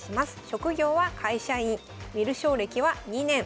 職業は会社員観る将歴は２年。